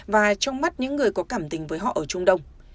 và trong mắt những người có cảm tình với họ ở trung đông